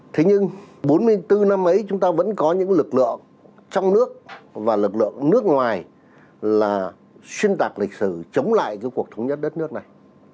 thế nhưng bốn mươi bốn năm ấy chúng ta vẫn có những lực lượng trong nước và lực lượng nước ngoài là xuyên tạc lịch sử chống lại cái cuộc thống nhất đất nước này